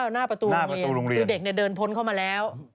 หน้าประตูโรงเรียนคือเด็กเดินพ้นเข้ามาแล้ว